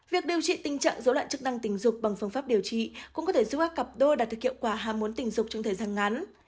việc điều trị tình trạng dối loạn chức năng tình dục bằng phương pháp điều trị cũng có thể giúp các cặp đôi đạt được hiệu quả hàm muốn tình dục trong thời gian ngắn